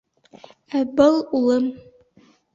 Ә был улым